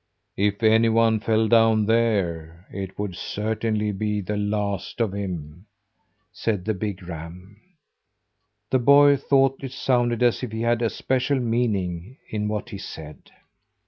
"If anyone fell down there, it would certainly be the last of him," said the big ram. The boy thought it sounded as if he had a special meaning in what he said.